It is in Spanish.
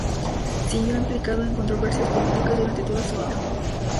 Siguió implicado en controversias políticas durante toda su vida.